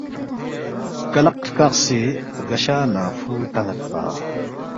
کلق ہرکاقسے رگشہ ننگفُو تانید پا